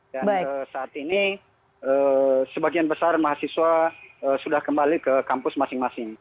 dan saat ini sebagian besar mahasiswa sudah kembali ke kampus masing masing